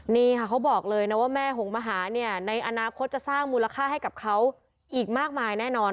นี่ค่ะเขาบอกเลยนะว่าแม่หงมหาเนี่ยในอนาคตจะสร้างมูลค่าให้กับเขาอีกมากมายแน่นอน